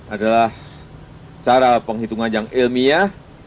adalah cara penghitungan yang ilmiah